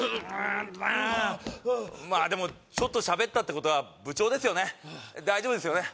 ああっまあでもちょっとしゃべったってことは部長ですよね大丈夫ですよね？